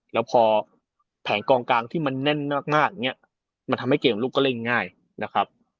แล้วพอแผงกองกลางที่มันแน่นมากอย่างนี้มันทำให้เกมลุกก็เล่นง่ายนะครับ